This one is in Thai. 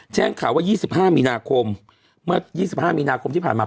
แจ้งข่าวว่า๒๕มีนาคมเมื่อ๒๕มีนาคมที่ผ่านมา